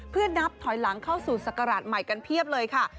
เพื่อนับถอยหลังเข้าสู่ศักราชใหม่กันเพียบเลยค่ะ